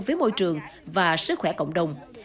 với môi trường và sức khỏe cộng đồng